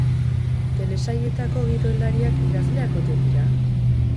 Telesailetako gidoilariak idazleak ote dira?